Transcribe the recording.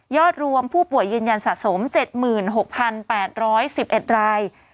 รวมผู้ป่วยยืนยันสะสม๗๖๘๑๑ราย